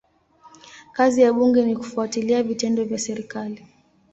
Kazi ya bunge ni kufuatilia vitendo vya serikali.